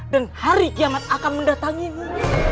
hari kiamat akan mendatangimu